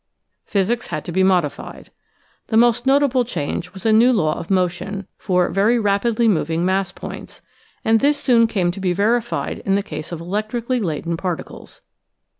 Physics had to be modified. The most notable change was a new law of motion for (very rapidly) moving mass points, and this soon came to be verified in the case of electrically laden particles.